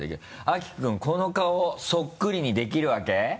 秋君この顔そっくりにできるわけ？